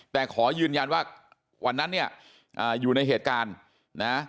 แต่ขอยืนยันว่าวันนั้นเนี่ยอยู่ในเหตุการณ์นะ